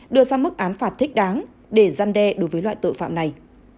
đưa ra mức án phạt thích đáng để gian đe đối với loại tội phạm này